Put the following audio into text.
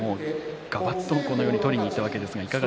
がばっと取りにいったわけですね。